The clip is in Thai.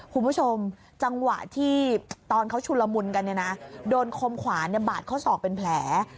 คุณผู้ชมจังหวะที่ตอนเขาชุลมุนกันเนี่ยนะโดนคมขวาบาดข้อศอกเป็นแผล